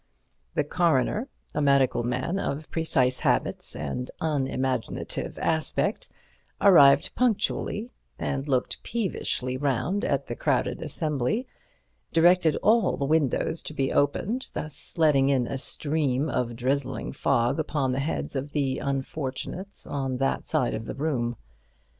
The coroner, a medical man of precise habits and unimaginative aspect, arrived punctually, and looking peevishly round at the crowded assembly, directed all the windows to be opened, thus letting in a stream of drizzling fog upon the heads of the unfortunates on that side of the room.